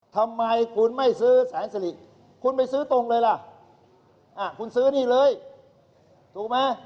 ทำไมคุณไม่ซื้อแสนสลิคุณไปซื้อตรงเลยล่ะคุณซื้อนี่เลยถูกไหม